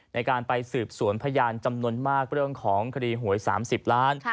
ในการไปสืบสวนพยานจำนวนมากเรื่องของคดีหวย๓๐ล้าน